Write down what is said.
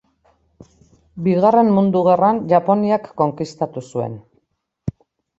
Bigarren Mundu Gerran Japoniak konkistatu zuen.